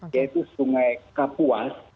yaitu sungai kapuas